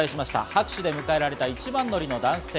拍手で迎えられた一番乗りの男性。